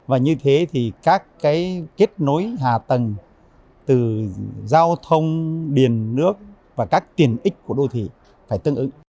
và như thế thì các cái kết nối hạ tầng từ giao thông điện nước và các tiền ích của đô thị phải tương ứng